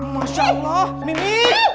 masya allah mimi